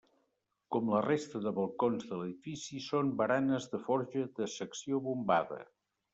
Com la resta de balcons de l'edifici són baranes de forja de secció bombada.